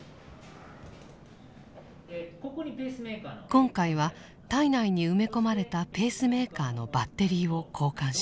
今回は体内に埋め込まれたペースメーカーのバッテリーを交換しました。